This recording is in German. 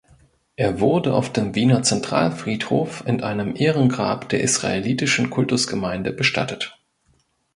Er wurde auf dem Wiener Zentralfriedhof in einem Ehrengrab der Israelitischen Kultusgemeinde bestattet.